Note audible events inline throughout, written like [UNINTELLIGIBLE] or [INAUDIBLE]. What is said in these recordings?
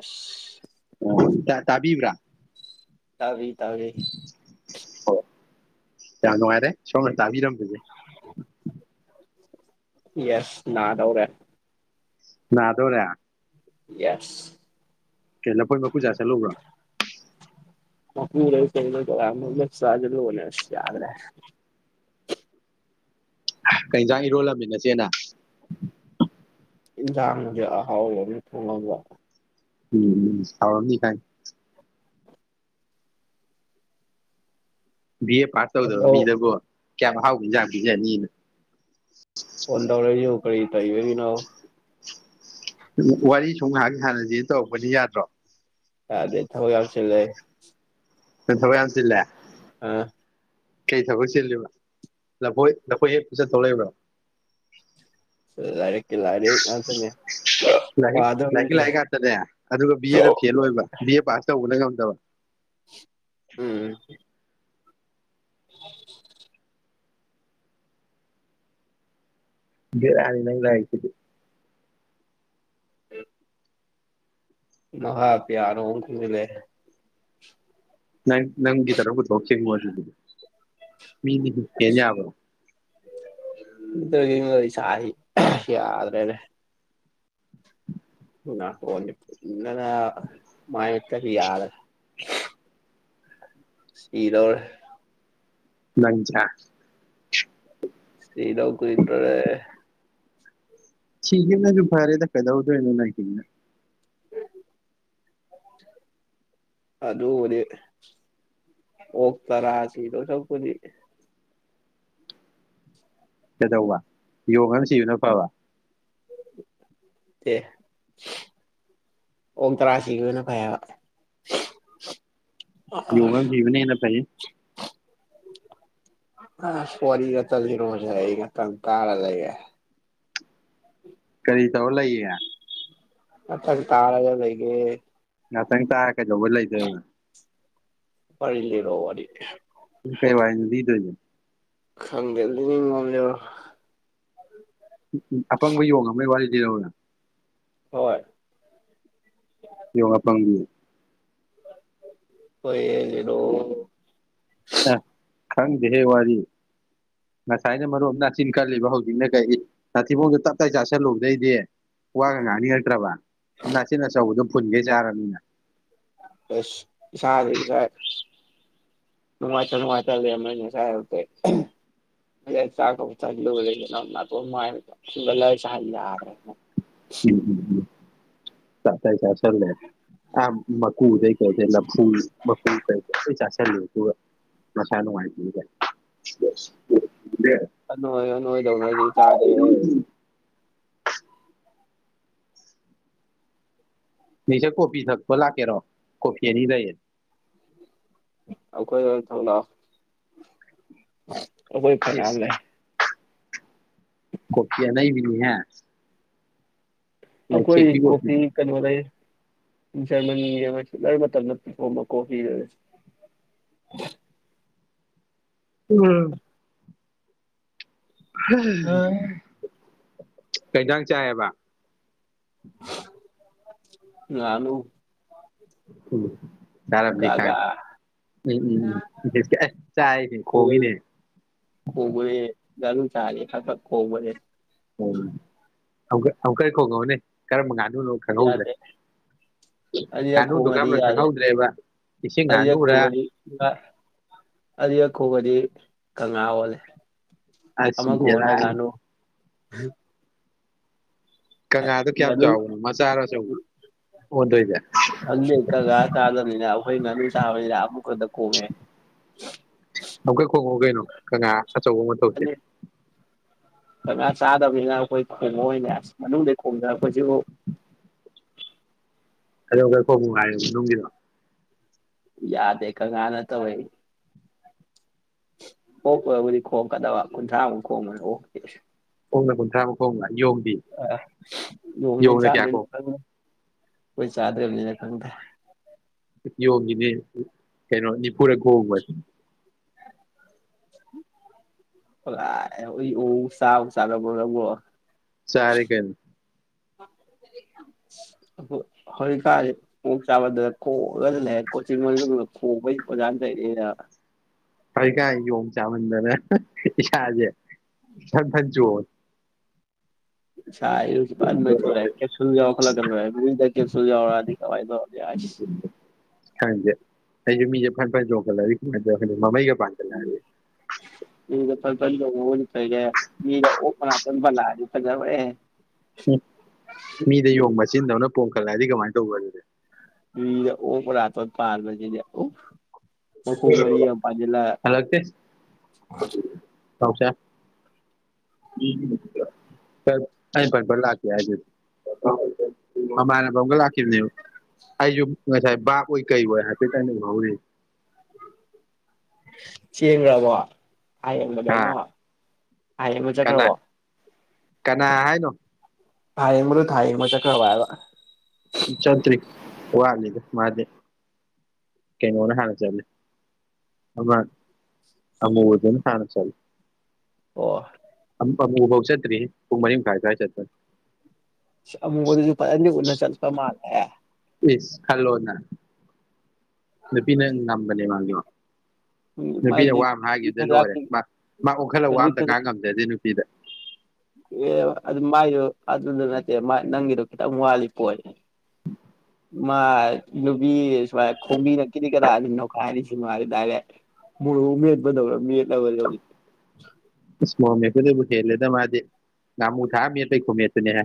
ꯑꯁ ꯇꯥꯕꯤꯕ꯭ꯔꯥ ꯇꯥꯕꯤ ꯇꯧꯔ‌ꯦ ꯌꯥꯝ ꯅꯨꯡꯉꯥꯏꯔꯦ ꯁꯣꯝꯅ ꯇꯥꯕꯤꯔꯝꯝꯕꯁ‌ꯦ ꯌꯦꯁ ꯅꯥ‍ꯗꯧꯔꯦ ꯅꯥꯗꯣꯔꯦ ꯌꯦꯁ ꯀꯩꯅ ꯂꯄꯣꯏ ꯃꯀꯨ ꯆꯁꯦ ꯂꯨꯕꯔꯣ [UNINTELLIGIBLE] ꯑꯁ ꯌꯥꯗꯔꯦ ꯀꯩꯏꯟꯖꯥꯡ ꯏꯔꯣꯜꯂꯝꯃꯤꯅꯁꯦꯅ ꯑ‌ꯦꯛꯖꯥꯝꯒꯤ ꯑꯍꯥꯑꯣꯕꯥ ꯑꯃꯥ ꯊ‌ꯣꯡꯉꯥꯕ‌ꯣ ꯎꯝ ꯎꯝ ꯍꯥꯎꯎꯔꯝꯅꯤ ꯆꯥꯛ ꯕꯤ ꯑꯦ ꯄꯥꯁ ꯇꯧꯗꯕꯣ ꯐꯣꯟꯗꯧ ꯃꯤꯗꯕꯨꯣ ꯀꯌꯥꯝ ꯃꯍ ꯍꯥꯎꯈꯤꯖꯥꯡꯒꯤꯖꯅꯤꯅ ꯐꯣꯟ ꯇꯧꯔꯛꯏꯁꯤꯕꯨ ꯀꯔꯤ ꯂꯩꯕꯒꯤ ꯋꯥꯔꯤ ꯁꯨꯝ ꯉꯥꯏꯍꯥꯛ ꯍꯥꯟꯅꯗꯤ ꯇꯧꯔꯛꯄꯅꯤ ꯌꯥꯗ꯭ꯔꯣ ꯌꯥꯗꯦ ꯊꯕꯛ ꯌꯥꯝ ꯆꯤꯂꯦ ꯀꯩ ꯊꯕꯦ ꯌꯥꯥꯟꯁꯤꯂꯦ ꯑꯥ ꯀꯩ ꯊꯕꯛ ꯆꯤꯜꯂꯤꯕ ꯂꯐꯣꯏ ꯂꯐꯣꯏ ꯍꯦꯛ ꯄꯨ ꯆꯠꯊꯣꯛ ꯂꯩꯕ꯭ꯔꯣ ꯂꯥꯏꯔꯦꯀꯤ ꯂꯥꯔꯤ ꯉꯥꯛꯇꯅꯥ ꯂꯥꯏꯔꯤꯛ ꯂꯥꯏꯔꯤꯛꯀꯤ ꯂꯥꯏꯔꯤꯛ ꯉꯥꯛꯇꯅꯦ ꯑꯗꯨꯒ ꯕꯤ ꯑꯦꯅ ꯐꯦꯜ ꯑꯣꯏꯕ ꯕꯤ ꯑꯦ ꯄꯥꯁ ꯇꯧꯕꯅ ꯉꯝ ꯗꯕꯥ ꯎꯝ [UNINTELLIGIBLE] [UNINTELLIGIBLE] ꯅꯪ ꯍꯥꯏꯁꯤꯗꯤ ꯎꯝ [UNINTELLIGIBLE] ꯅꯪ ꯅꯪꯒꯤ ꯇꯔꯕꯨꯊꯁ ꯃ ꯃꯤꯅꯤ ꯀꯦ ꯑꯁ ꯌꯥꯕ꯭ꯔꯣ ꯆ ꯌꯥꯗ꯭ꯔꯅꯦ ꯎꯅꯤ ꯏꯅ ꯃꯥꯥꯏ ꯇꯗꯤ ꯌꯥꯔ ꯁꯤꯗꯧꯔꯦ ꯃ ꯂꯩꯗ ꯀꯣꯏꯗ꯭ꯔꯣꯔꯦ ꯊꯦꯅꯁꯨ ꯐꯔꯦꯗ ꯀꯩꯗꯎꯗꯅꯅ ꯀ ꯑꯗꯨ ꯍꯧꯗꯤ ꯑꯣ ꯇꯔꯁꯤꯗ ꯁ ꯀꯗꯤ ꯀꯩꯗꯧꯕ ꯌꯣꯡꯉꯅ ꯁꯤꯌꯅ ꯐꯕ ꯑꯦ ꯑꯣꯛ ꯇꯔꯥꯁꯤꯒꯤ ꯑꯣꯏꯅ ꯐꯩꯕ ꯌꯣꯒꯥ ꯍꯕꯅꯦꯅ ꯄꯥꯏꯦ ꯑ ꯐꯣꯔꯤꯔ ꯔꯣꯖ ꯀꯪ ꯀꯥꯔ ꯂꯩꯒ ꯀꯔꯤ ꯇꯧ ꯂꯩꯏ ꯑ ꯇꯥꯔꯥꯒ ꯂꯩꯒꯦ ꯉꯪ ꯀꯩꯗꯕꯂ ꯂꯩꯗ ꯐ ꯂꯩ ꯔꯣ ꯋꯥꯔꯤꯗꯤ ꯨ ꯀꯩ ꯋꯥꯏꯗ ꯈꯪꯗꯗꯤꯅꯤ ꯉꯝꯖ ꯎꯝ ꯎꯝ ꯑꯄꯪꯕ ꯌꯣꯡꯉ ꯑꯃꯒꯤ ꯋꯥꯔꯤ ꯔꯥꯎꯅ ꯍꯣꯏ ꯧ ꯄꯥꯡꯕꯤ ꯀꯣꯏ ꯂꯣ ꯑ ꯈꯪꯗꯦꯍꯦ ꯋꯥꯔꯤ ꯉꯁꯥꯏꯅ ꯃꯔꯨꯞ ꯅꯥꯆꯤꯟ ꯀꯜꯂꯤꯕ ꯍꯧꯖꯤꯛꯅ ꯀꯔꯤ ꯅꯥꯊꯤꯕꯣꯡꯗꯣ ꯇꯞꯇꯥꯏ ꯆꯥꯁꯤꯜꯂꯨꯗꯩꯗꯤ ꯋꯥꯒ ꯉꯥꯡꯅꯤꯉꯛꯇ꯭ꯔꯕ ꯅꯁꯤ ꯅ ꯆꯥꯎ ꯑꯗꯨ ꯄꯨꯟꯒꯦ ꯆꯔꯅꯤꯅ ꯁꯥꯔ ꯁꯥ ꯋꯥ ꯆꯅꯨꯡ ꯋꯥ ꯆ ꯃꯅꯦ ꯁꯥ ꯆ ꯆ ꯂꯩꯔ ꯎꯝ ꯎꯝ ꯎꯝ ꯀ ꯆ ꯁꯔꯅꯦ ꯃꯀ ꯀꯩ ꯀꯐ ꯃ ꯀꯩ ꯆ ꯆꯂ ꯄꯨ ꯃꯁꯥ ꯅꯨꯡꯉꯥꯏ ꯀ ꯅꯣꯏꯗꯧꯔꯗꯤ ꯆꯥꯗꯦꯦ ꯅꯁꯦ ꯀꯣꯐꯤ ꯊꯛꯄ ꯂꯥꯛꯀꯦꯔꯣ ꯀꯣꯐꯤ ꯑꯅꯤ ꯂꯩꯌꯦ ꯑ ꯀꯣꯏ ꯋꯥ ꯊꯧ ꯂ [UNINTELLIGIBLE] ꯀꯣꯏ ꯐꯔꯤꯅꯥꯝ ꯂꯩ ꯀꯣꯄꯤꯌꯥ ꯂꯩ ꯃꯤꯅꯤ ꯍꯥꯏ ꯑꯈꯣꯏ ꯀꯣꯄꯤꯤ ꯀꯟꯔ ꯖꯔꯃꯅꯤ ꯏꯔꯕ ꯃꯇꯝꯣ ꯀꯣ ꯎꯝ [UNINTELLIGIBLE] ꯀꯩꯇꯥꯡ ꯆꯥꯏꯌꯦꯕ ꯉꯅꯨ ꯎꯝ ꯆꯔꯝꯅꯤ ꯒꯥ ꯈꯥꯡ ꯎꯝ ꯎꯝ ꯆ ꯈꯣꯡꯉꯦ ꯈꯣꯕꯤꯅꯦ ꯔ ꯆꯔꯦ ꯈ ꯈꯣ ꯃꯅꯦꯦ ꯎ ꯀꯩ ꯈꯣꯡꯉꯕꯅꯦ ꯀꯔꯝꯕ ꯀꯥꯟꯅ ꯉꯅꯨꯅ ꯈꯪꯍꯧꯗ꯭ꯔꯦ ꯌꯥꯗꯦ ꯑꯅꯤꯔꯛ ꯉꯥꯅꯨꯗꯨꯣ ꯈꯣꯡꯉꯗꯤ ꯀꯔꯝꯕꯅ ꯌꯥꯗꯦ ꯈꯪꯍꯧꯗ꯭ꯔꯦꯕ ꯏꯁꯤꯡ ꯑꯅꯤꯔꯛ ꯉꯥꯅꯨꯔ ꯑ ꯑꯈꯣꯕꯗꯤ ꯀꯪꯂꯥ ꯑꯣꯜꯂꯦ ꯑꯁꯕꯤꯗ ꯑ ꯀꯪꯂꯥꯗꯣ ꯀꯌꯥꯝ ꯆꯥꯎꯕꯅꯣ ꯃꯆꯥꯔꯆꯧꯕ ꯑꯣꯟꯗꯣꯏꯁꯦ ꯍꯣꯏ ꯃ ꯑꯅ ꯆꯥ ꯑꯃꯨꯀꯗ ꯀꯣꯋꯦ ꯑꯃꯨꯛ ꯀꯩ ꯈꯣꯡꯉꯧ ꯀꯩꯅꯣ ꯀꯅꯥ ꯑꯆꯧꯕ ꯃꯇꯧꯁꯦ ꯑꯗꯤ ꯀꯪꯂꯥ ꯆꯥꯗꯕꯅꯤꯅ ꯑꯩꯈꯣꯏ ꯈꯣꯡꯕꯣꯏ ꯑꯣꯏꯅ ꯑꯁ ꯃꯅꯨꯡꯗ ꯈꯣꯡꯗꯅ ꯑꯩꯈꯣꯏꯁꯨ ꯀꯗꯣ ꯀꯔꯣꯅꯨꯡꯉꯥꯏ ꯅꯅꯨꯡꯒꯤꯗ ꯌꯥꯗꯦ ꯀ ꯅ ꯇ ꯏ ꯑꯣꯣꯀꯣ ꯈꯣ ꯀ ꯊ ꯈꯣ ꯃ ꯑꯣ ꯀꯣꯡꯅꯒꯨꯟ꯭ꯔꯥ ꯀꯣ ꯑ ꯂꯣꯅꯤ ꯌꯣꯡꯅ ꯆꯥꯗ ꯀꯌꯥ ꯀꯣ ꯑꯩꯣꯏ ꯆꯥꯗꯔꯅꯤꯅ ꯐꯪꯗ ꯌꯣꯡꯉꯤꯅꯦ ꯀꯩꯅꯣ ꯅꯤꯐꯨꯔꯨꯔ ꯈꯣꯡꯕꯁ ꯁꯥ ꯎꯁꯥ ꯂꯒ ꯂꯒꯣ ꯆꯔ ꯀ ꯍꯧꯖꯤꯛ ꯀꯥꯦ ꯃꯛ ꯆꯥꯕꯗꯨ ꯈꯣꯛꯑꯒ ꯂꯩꯔꯦ ꯀꯣꯆꯤꯟ ꯃ ꯈꯣꯡꯩ ꯄꯖꯥ ꯂꯩꯔꯦꯅ ꯐꯔ ꯀꯥꯏ ꯌ ꯆꯥ ꯃꯟꯗꯅꯦ ꯌꯥꯖꯦ ꯊ ꯆ ꯁ ꯈꯦ ꯀꯥꯏ ꯈꯪꯦ ꯑꯩ ꯃꯤꯦ ꯈꯟꯄ ꯆꯣꯡꯀꯂ ꯃꯃꯥꯏ ꯎꯝ ꯁꯄꯣꯏꯒꯔ ꯑꯣꯕꯂ ꯍꯥꯏꯗꯤ ꯐꯖꯦ ꯎꯝ ꯃꯤꯗ ꯌꯕꯦ ꯆꯆꯤꯟꯗꯕꯅ ꯄꯣꯝꯈꯠꯂꯛꯑꯗꯤ ꯀꯃꯥꯏꯅ ꯇꯧꯕ ꯑꯗꯨꯗꯤ ꯃꯤꯔ ꯑꯣꯔꯇꯣ ꯄꯔ ꯖꯤꯦ ꯌꯥ ꯑꯣ ꯃꯔꯤ ꯍꯂꯛꯇ ꯄꯁꯦ ꯑ ꯐꯟ ꯐ ꯂꯥꯛꯀꯦ ꯍꯥꯏꯗꯨꯗꯤ ꯃꯃꯥꯟꯅ ꯐ ꯑꯃꯒ ꯂꯥꯛꯈꯤꯕꯅꯦꯕ ꯑꯩꯁꯨ ꯉꯁꯥꯏ ꯕꯥꯛꯑꯣ ꯀꯩ ꯑꯣꯏ ꯍꯥꯏꯐꯦꯠꯇ ꯑꯩꯅ ꯍꯧꯔꯤ ꯆꯦꯟꯒ꯭ꯔꯕꫭ ꯊꯥ ꯍꯥ ꯌꯦꯡꯕꯗꯉꫭ ꯊꯥ ꯌꯦꯡꯕ ꯀꯅꯥ ꯆꯠꯈ꯭ꯔꯕꫭ ꯀꯅꯥ ꯍꯥꯏꯅꯣ ꯊꯥ ꯌꯦꯡꯕꯗꫭ ꯊꯥ ꯌꯦꯡꯕ ꯆꯠꯈ꯭ꯔꯕꯔ ꯍꯥꯏꯕ ꯆꯇ꯭ꯔꯤ ꯋꯥꯠꯂꯤꯗ ꯃꯥꯗꯤ ꯀꯩꯅꯣꯅ ꯍꯥꯟꯅ ꯆꯠꯂꯤ ꯑꯃ ꯑꯃꯨꯕꯗꯨꯅ ꯍꯥꯟꯅ ꯆꯠꯂꯤ ꯑꯣ ꯑꯝ ꯑꯃꯨꯕꯧ ꯆꯠꯇ꯭ꯔꯤꯍꯦ ꯄꯨꯡ ꯃꯔꯤ ꯃꯈꯥꯏ ꯁ꯭ꯋꯥꯏ ꯆꯠꯄꯟ ꯑꯃꯨꯛꯕꯨꯗꯨꯁꯨ ꯐꯖꯅꯗꯤ ꯎꯅ ꯆꯠꯄ ꯃꯥꯜ ꯏꯁ ꯈꯜꯂꯣꯅ ꯅꯨꯄꯤꯅ ꯉꯝꯕꯅꯦ ꯃꯥꯁꯨ ꯅꯨꯄꯤꯅ ꯃꯥꯏꯗꯨꯗꯤ ꯋꯥ ꯑꯃ ꯈꯖꯤꯛ ꯍꯥꯏꯒꯤꯕꯗ ꯈꯖꯥꯛ ꯂꯣꯏꯔꯦ ꯃꯥ ꯃꯥ ꯑꯣꯟꯈꯠꯂꯒ ꯋꯥ ꯈꯖꯤꯛ ꯑꯃꯇ ꯈꯖꯥꯛ ꯉꯥꯡ ꯉꯝꯖꯗꯦ ꯅꯨꯄꯤꯗ ꯑꯦ ꯑꯗꯨ ꯃꯥꯏꯗꯨ ꯑꯗꯨꯗ ꯅꯠꯇꯦ ꯃꯥ ꯅꯪꯒꯤꯗꯣ ꯈꯤꯇꯪ ꯋꯥꯠꯂꯤ ꯄꯣꯏꯟ ꯃꯥ ꯅꯨꯄꯤ ꯁꯨꯃꯥꯏ ꯈꯣꯝꯕꯤꯅ ꯀꯤꯗꯤ ꯀꯗꯥꯅ ꯅꯣꯈꯥꯏꯔꯤꯁꯤ ꯃꯥꯗꯤ ꯗꯥꯏꯔꯦꯛ ꯃꯣꯔꫭꯛ ꯃꯦꯠꯄꯗꯧꯅ ꯃꯦꯠꯂꯕꯗꯨ ꯏꯁ ꯃꫭꯔꫭꯛ ꯃꯦꯠꯄ ꯗꯩꯕꯨ ꯍꯦꯂꯦꯗ ꯃꯥꯗꯤ ꯉꯥꯃꯨ ꯊꯥꯛꯑ ꯃꯦꯠꯄꯩ ꯈꯨꯃꯦꯠ ꯇꯨꯅꯤꯍꯦ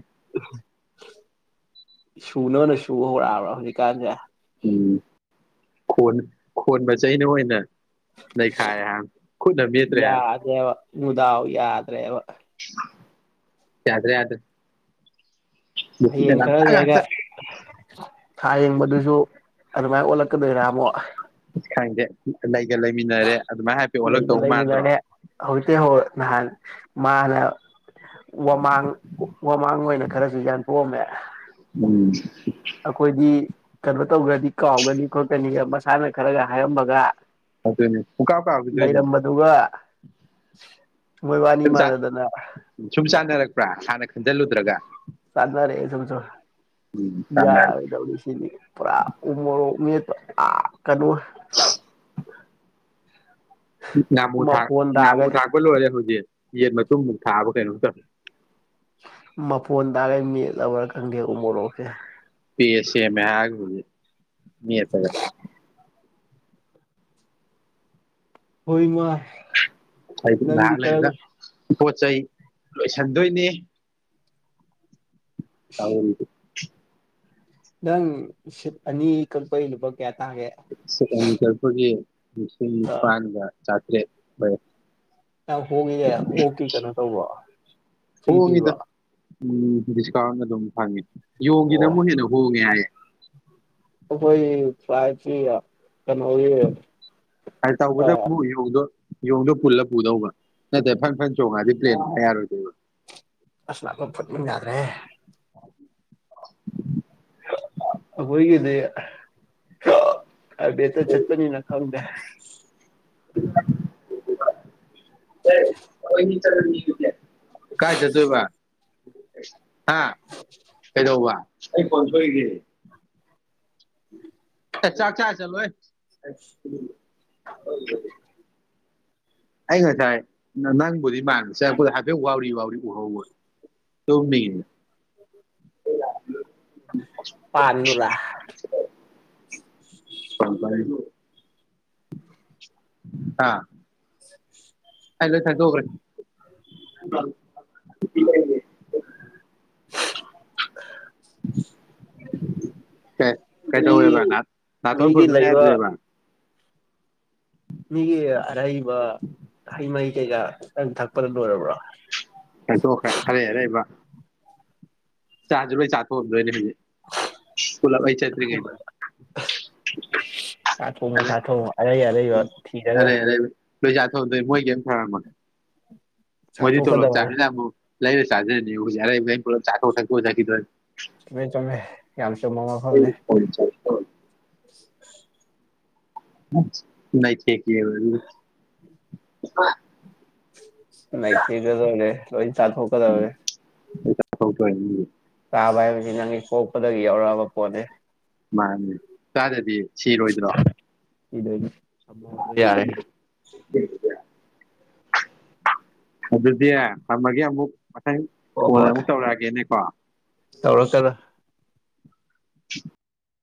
ꯁꯨꯅꯕꯅ ꯁꯨ ꯍꯧꯔꯛꯑꯕ꯭ꯔꯥ ꯍꯧꯖꯤꯛꯀꯥꯟꯁꯦ ꯎꯝ ꯈꫭꯟ ꯈꯣꯟ ꯃꯆꯩꯩꯅ ꯑꯣꯏꯅ ꯅꯩꯈꯥꯏꯔꯦ ꯍꯥꯏꯕꯅꯤ ꯈꯨꯠꯅ ꯃꯦꯠꯇ꯭ꯔꯦ ꯍꯥꯏꯕꯅꯤ ꯌꯥꯗꯦꯕ ꯃꯨꯗꯥꯎ ꯌꯥꯗ꯭ꯔꯦꯕ ꯌꯥꯗ꯭ꯔꯦ ꯌꯥꯗ꯭ꯔꯦ ꯅꯨꯄꯤꯅ ꯍꯌꯦꯡ ꯈꯔ ꯉꯥꯛꯇ ꯂꯩꯔꯒ ꯉꯥꯛꯇ ꯊꯥ ꯌꯦꯡꯕꯗꯨꯁꯨ ꯑꯗꯨꯃꯥꯏꯅ ꯑꯣꯜꯂꯛꯀꯗꯣꯏꯔꯥ ꯑꯃꯨꯛ ꯈꯪꯗꯦ ꯂꯩꯒ ꯂꯩꯃꯤꯟꯅꯔꯦ ꯑꯗꯨꯃꯥꯏꯅ ꯍꯥꯏꯐꯦꯠ ꯂꯩꯒ ꯑꯣꯜꯂꯛꯇꯧ ꯃꯥꯟꯗ꯭ꯔꯣ ꯂꯩꯃꯤꯟꯔꯦ ꯍꯧꯖꯤꯛꯇꯩ ꯍꯩꯔ ꯅꯍꯥꯟ ꯃꯥꯅ ꯋꯥꯃꯥꯡ ꯋꯥꯃꯥꯡ ꯑꯣꯏꯅ ꯈꯔꯁꯨ ꯌꯥꯟꯊꯣꯛ ꯑꯝꯃꯦ ꯎꯝ ꯑꯈꯣꯏꯗꯤ ꯀꯩꯅꯣ ꯇꯧꯒ꯭ꯔꯗꯤ ꯀꯥꯎꯒꯅꯤ ꯈꯣꯠꯀꯅꯤꯒ ꯃꯁꯥꯅ ꯈꯔꯒ ꯍꯥꯏꯔꯝꯃꯒ ꯑꯗꯨꯅꯤ ꯄꯨꯡ ꯀꯥꯥꯎ ꯀꯥꯎꯒꯤꯗꯣꯏꯅꯤ ꯃꯣꯏꯕꯥꯅꯤ ꯃꯥꯟꯅꯗꯅ ꯄꯔ ꯍꯥꯟꯅ ꯈꯟꯖꯜꯂꯨꯗ꯭ꯔꯒ ꯆꯥꯟꯅꯔꯛꯑꯦ ꯁꯨꯝ ꯁꯨꯝ ꯆꯥꯟꯅꯔꯛ ꯌꯥꯔꫭꯏꯗꯧꯔꯤꯁꯤꯗꯤ ꯄꯨꯔꯥ ꯎꯃꯔꯣꯛ ꯃꯦꯠ ꯑ ꯀꯅꫭ ꯉꯕꯨꯨ ꯊ ꯃꯐꯣꯟ ꯉꯅꯥꯃꯨ ꯇꯥꯒꯩ ꯊꯥꯒꯂꯣꯔꯦ ꯍꯧꯖꯤ ꯌꯦꯟ ꯃꯇꯨꯡꯃꯨꯛ ꯊꯥꯕ ꯀꯩꯅꯣꯝ ꯇꯧ ꯃꯄꯣꯟ ꯇꯥꯔꯒ ꯃꯠ ꯂꯧꯧꯔꯥ ꯈꯪꯗꯦ ꯎ ꯃꯣꯔꯣꯛꯀꯦ ꯄꯁꯦ ꯃꯒꯗꯤ ꯃꯤ ꯐꯒ ꯍꯣꯏꯃ ꯍꯥꯏ ꯂꯂꯒ ꯎ ꯆꯥꯏ ꯂꯣꯏꯁꯤꯟꯗꯣꯏꯅꯦ ꯁ [UNINTELLIGIBLE] ꯅꯪ ꯔꯤꯁꯤꯞ ꯑꯅꯤ ꯀꯛꯄꯩ ꯂꯨꯄꯥ ꯀꯥꯌꯥꯅꯣ ꯀꯃꯤ ꯀꯄꯒꯤ ꯑ ꯁꯤꯡꯄꯥꯥꯂꯒ ꯆꯇ꯭ꯔꯦ ꯍꯒꯗꯦ ꯑꯣ ꯀ ꯀꯩꯅꯣ ꯇꯧꯕ ꯁꯤ ꯀ ꯋꯥ ꯎꯝꯁꯤ ꯀ ꯑꯗꯨ ꯊꯥ ꯌꯣꯡꯒꯤꯗ ꯑꯣ ꯑꯃꯨꯛ ꯍꯦꯟꯅ ꯍꯣꯡꯉꯦ ꯍꯥꯏꯌꯦꯦ ꯐꯥꯏꯇꯔꯤ ꯑ ꯇꯥꯎꯕꯗ ꯌꯗꯣ ꯌꯦꯣꯡꯗꯣ ꯄꯨꯜꯂ ꯄꯨꯗꯧꯕ ꯅꯠꯇꯦ ꯐꯟ ꯐꯟ ꯆꯣꯡꯉꯛꯑꯗꯤ ꯄ꯭ꯔꯦꯟ ꯌꯥꯔꯣꯏꯗꯣꯏꯕ ꯑꯁ ꯂꯥꯛ ꯐꯠꯃꯤꯟꯅ ꯌꯥꯗ꯭ꯔꯦ ꯑꯣꯏꯣꯏꯒꯗꯦ ꯦꯇ ꯆꯄꯅꯤ ꯅ ꯈꯥꯗꯦ [UNINTELLIGIBLE] ꯐ ꯍꯦ [UNINTELLIGIBLE] ꯀꯥꯏ ꯆꯠꯇꯣꯏꯕ ꯎ ꯍꯥ ꯀꯩꯗꯕ ꯑꯩ ꯀꯟꯊꯔꯤꯒꯦ ꯎꯝ ꯑ ꯆꯥꯆꯥꯥ ꯆꯂꯣ ꯑꯩ ꯉꯁꯥꯏ ꯅꯪꯕꯨꯗꯤ ꯃꯥꯟꯕ ꯆꯪꯉꯛꯄꯗ ꯍꯥꯏꯐꯦꯠ ꯋꯥꯎꯔꯤ ꯋꯥꯎꯔꯤ ꯎꯍꯧ ꯇꯨꯝꯅꯤꯡꯉꯤꯅꯦ ꯄꯥꯨꯔꯥ ꯄꯪꯔꯣ ꯑꯥ [UNINTELLIGIBLE] ꯐꯥꯏꯂ ꯊꯥꯏꯗꯕꯔ ꯀꯩ ꯀꯩ ꯃꯤꯒꯤ ꯇꯧꯕꯦꯕ ꯅꯅꯥꯇꯣꯟ ꯃꯤꯒꯤ ꯐꯣꯏꯕꯦ ꯂꯩꯕ ꯍꯥꯏꯕ ꯃꯤꯒꯤ ꯑꯔꯩꯕ ꯍꯩ ꯃꯍꯩ ꯀꯩꯀꯥꯇꯪ ꯊꯛꯄꯗ ꯂꯣꯏꯔꯕ꯭ꯔꯥ ꯊꯥꯡꯇꯣꯛꯈ꯭ꯔꯦ ꯆꯥꯖ ꯆꯥꯛꯀꯣꯗꯅꯦ ꯆ ꯊꯣꯡ ꯃꯨ ꯁꯥꯥ ꯊꯣꯡꯨ ꯑꯔꯩ ꯑꯔꯩꯕ ꯊꯤꯔꯒ ꯇꯗꯦ ꯃꯣꯏꯒꯦꯟꯟ ꯍꯥꯏꯔ ꯃꯥꯦ ꯃ ꯇꯣꯂꯣ ꯆꯥꯊꯣꯛꯀꯗꯕꯅꯦ ꯆꯥꯡꯂ ꯑꯃ ꯂꯥꯏꯔ ꯁꯥꯖꯦꯅꯦ ꯌꯥ ꯀ ꯆꯥꯀ ꯊꯀ ꯆꯗ ꯆꯃꯦ ꯀꯝ ꯆꯣ ꯃꯃꯥ ꯐꯥꯎꯅꯦ [UNINTELLIGIBLE] ꯦ ꯌꯦ ꯑ ꯅ ꯊꯒꯗꯔꯦ ꯁꯥꯊꯣꯛꯀꯔꯣꯦ ꯐ ꯇ ꯌꯥꯕ ꯍꯥꯏꯕꯁꯤ ꯅꯪꯒꯤ ꯄꯣꯛꯄꯗꯒꯤ ꯌꯥꯎꯔꯛꯑꯕ ꯄꯣꯠꯅꯤ ꯃꯥꯅꯦ ꯆꯥꯗꯗꯤꯌꯦ ꯁꯤꯔꯣꯏꯗ꯭ꯔꯣ ꯏꯗꯗꯤ ꯑ ꯌꯥꯔꯦ ꯑꯗꯨꯗꯤ ꯊꯝꯃꯒꯦ ꯑꯃꯨꯛ ꯅ ꯀꯣꯜ ꯑꯃꯨꯛ ꯇꯧꯔꯛꯑꯒꯦꯅꯦꯀꯣ ꯇꯧꯔꯣ ꯀꯗ [UNINTELLIGIBLE]